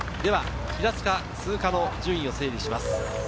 平塚通過の順位を整理します。